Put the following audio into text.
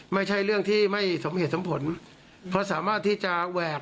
ไม่ใช่เรื่องที่ไม่สมเหตุสมผลเพราะสามารถที่จะแหวก